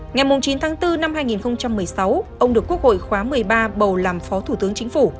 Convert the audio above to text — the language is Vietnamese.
ngày chín tháng bốn năm hai nghìn một mươi sáu ông được quốc hội khóa một mươi ba bầu làm phó thủ tướng chính phủ